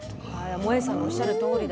もえさんのおっしゃるとおりだ。